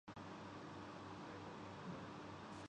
آگے دیکھیے ہوتا ہے۔